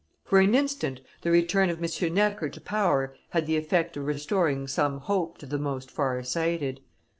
For an instant the return of M. Necker to power had the effect of restoring some hope to the most far sighted.